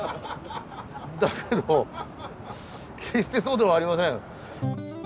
だけど決してそうではありません。